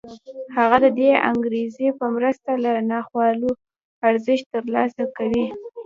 هغه د دې انګېزې په مرسته له ناخوالو ارزښت ترلاسه کوي